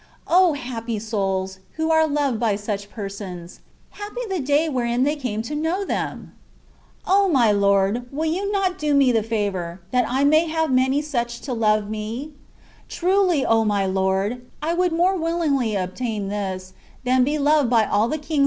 O happy souls, who are loved by such persons ! Happy the day wherein they came to know them !* O my Lord ! will you not do me the favour, that I may have many such to love me ? Truly, O my Lord ! I would more willingly obtain this, than be loved by all the kings